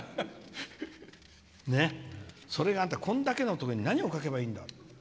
それが、これだけのところに何を書けばいいんだ。